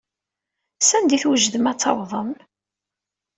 Sanda i twejdem ad tawḍem?